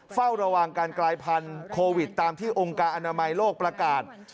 เฝ้าระวังการกลายพันธุ์โควิดตามที่องค์การอนามัยโลกประกาศ